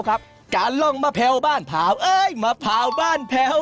การล่องมะเผ๋ลบ้านเผาแตะมะพร้าวบ้านเผ๋ล